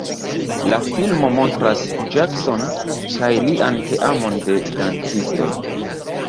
La filmo montras Jackson kaj lian teamon de dancistoj.